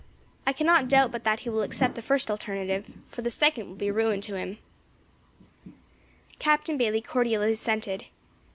I cannot doubt but that he will accept the first alternative, for the second will be ruin to him." Captain Bayley cordially assented.